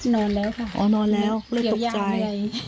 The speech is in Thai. นอนแล้วค่ะอ๋อนอนแล้วเลยตกใจ